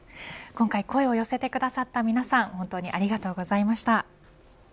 今回声を寄せてくださった皆さん本当にありがとうございました。